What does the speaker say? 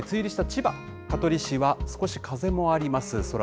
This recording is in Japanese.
梅雨入りした千葉・香取市は少し風もあります。